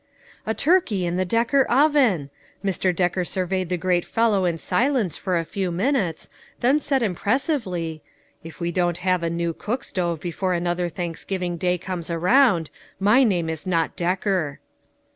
A turkey in the Decker oven ! Mr. Decker surveyed the great fellow in silence for a few 404 LITTLE FISHEES: AND THEIR NETS. minutes, then said impressively, "If we don't have a new cook stove before another Thanks giving day comes around, my name is not Decker."